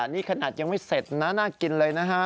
นี่ขนาดยังไม่เสร็จนะน่ากินเลยนะฮะ